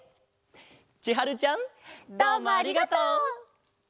ちはるちゃん。どうもありがとう！